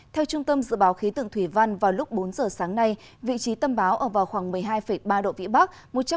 theo trung tâm dự báo khí tượng thủy văn vào lúc bốn giờ sáng nay vị trí tâm bão ở vào khoảng một mươi hai ba độ vĩ bắc